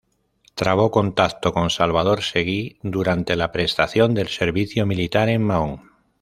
Trabó contacto con Salvador Seguí durante la prestación del servicio militar en Mahón.